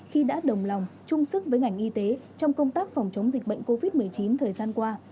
khi đã đồng lòng chung sức với ngành y tế trong công tác phòng chống dịch bệnh covid một mươi chín thời gian qua